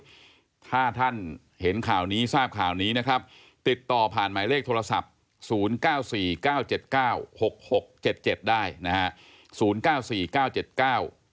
สมมุติถ้าท่านเห็นข่าวนี้ทราบข่าวนี้นะครับติดต่อผ่านหมายเลขโทรศัพท์๐๙๔๙๗๙๖๖๗๗ได้นะฮะ๐๙๔๙๗๙๖๖๗๗